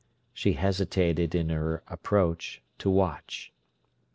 She hesitated in her approach, to watch.